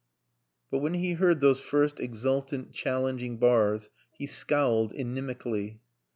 But when he heard those first exultant, challenging bars he scowled inimically.